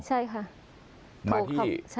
ใช่ค่ะ